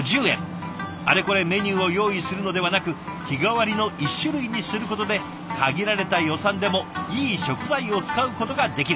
あれこれメニューを用意するのではなく日替わりの１種類にすることで限られた予算でもいい食材を使うことができる。